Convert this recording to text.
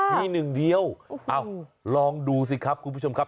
มีหนึ่งเดียวลองดูสิครับคุณผู้ชมครับ